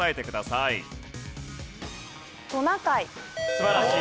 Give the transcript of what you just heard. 素晴らしい。